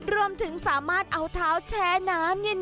รวมถึงสามารถเอาเท้าแชร์น้ำเย็น